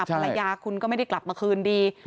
ภรรยาคุณก็ไม่ได้กลับมาคืนดี